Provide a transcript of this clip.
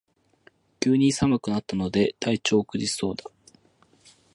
急に寒くなったので体調を崩しそうだ